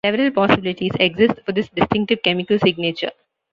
Several possibilities exist for this distinctive chemical signature.